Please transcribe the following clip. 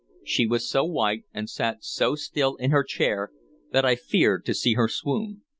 She was so white and sat so still in her chair that I feared to see her swoon.